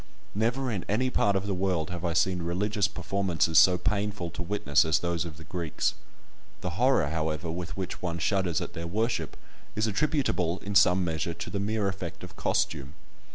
Never in any part of the world have I seen religious performances so painful to witness as those of the Greeks. The horror, however, with which one shudders at their worship is attributable, in some measure, to the mere effect of costume.